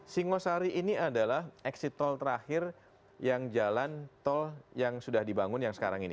singosari ini adalah exit tol terakhir yang jalan tol yang sudah dibangun yang sekarang ini